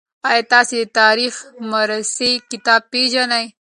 آیا تاسي د تاریخ مرصع کتاب پېژنئ؟